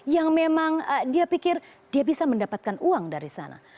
yang memang dia pikir dia bisa mendapatkan uang dari sana